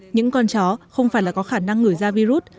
những con chó không phải là có khả năng ngửi ra virus